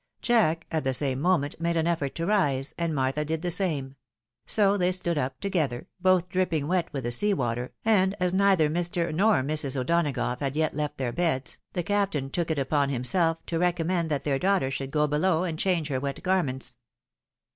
Jack, at the same moment, made an effort to rise, and Martha did the same ; so they stood up together, both dripping wet with the sea Water, and as neither Mr. nor Mrs. O'Dona gough had yet left their beds, the captain took it upon himself to recommend that their daughter should go below and change her wet garments.